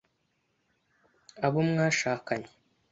abo mwashakanye. ”